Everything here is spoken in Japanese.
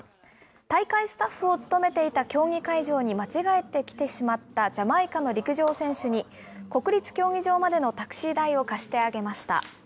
大会スタッフを務めていた競技会場に間違えて来てしまったジャマイカの陸上選手に、国立競技場までのタクシー代を貸してあげました。